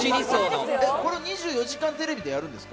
『２４時間テレビ』でやるんですか？